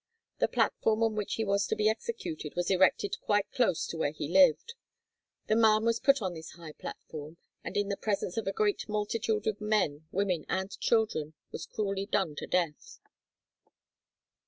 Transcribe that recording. The platform on which he was to be executed was erected quite close to where we lived. The man was put on this high platform and in the presence of a great multitude of men, women, and children was cruelly done to death.